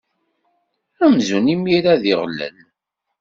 Amzun imira d iɣlel.